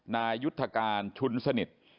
นายยุทธการชุนสนิท